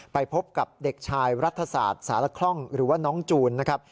ไปพบกับเด็กชายรัฐศาสตร์สารคล่องหรือว่าน้องจูนนะครับ